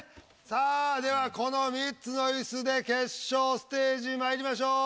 さあではこの３つのイスで決勝ステージまいりましょう！